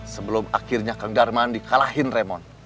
sebelum akhirnya kang darman di kalahin raymond